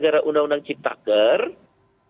gara gara undang undang cipta kera